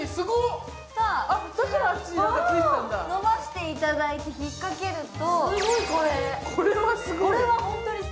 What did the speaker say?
伸ばしていただいてひっかけると。